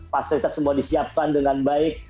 fasilitas semua disiapkan dengan baik